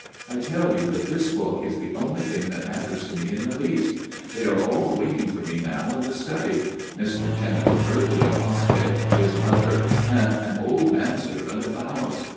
I tell you that this book is the only thing that matters to me in the least. They are all waiting for me now in the study Mr. Jennifer the apostate, his mother, and an old manservant of the house.